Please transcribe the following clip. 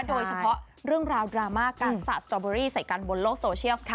โดยเฉพาะเรื่องราวดราม่าการสระสตอเบอรี่ใส่กันบนโลกโซเชียล